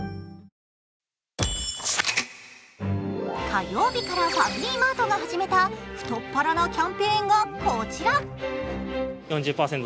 火曜日からファミリーマートが始めた太っ腹なキャンペーンがこちら。